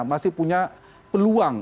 masih punya peluang